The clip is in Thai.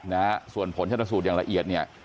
นะฮะส่วนผลชนสูตรอย่างละเอียดเนี่ย